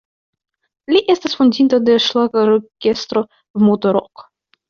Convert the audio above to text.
Li estas fondinto de ŝlagrorkestro "V'Moto-Rock".